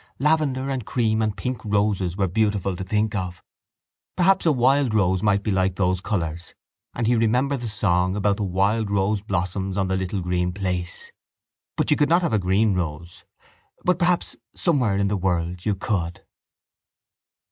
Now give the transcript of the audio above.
Lavender and cream and pink roses were beautiful to think of. Perhaps a wild rose might be like those colours and he remembered the song about the wild rose blossoms on the little green place. But you could not have a green rose. But perhaps somewhere in the world you could.